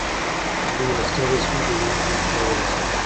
که دومره ستړی شوې ډنمارک ته دې پښه ورسیده.